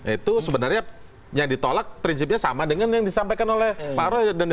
itu sebenarnya yang ditolak prinsipnya sama dengan yang disampaikan oleh pak raya dan demokrat